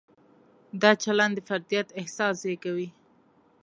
دا چلند د فردیت احساس زېږوي.